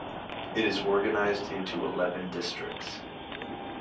It is organized into eleven districts.